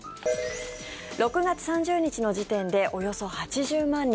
６月３０日の時点でおよそ８０万人。